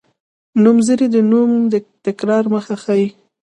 نومځری د نوم د تکرار مخه ښيي.